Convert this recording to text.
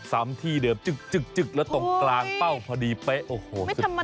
ซ้ำที่เดิมจึกแล้วตรงกลางเป้าพอดีเป๊ะโอ้โหสุด